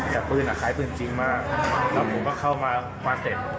แต่พื้นอ่ะขายพื้นจริงมากแล้วผมก็เข้ามาเสร็จ